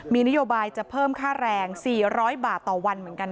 มีนโยบายจะเพิ่มค่าแรง๔๐๐บาทต่อวันเหมือนกัน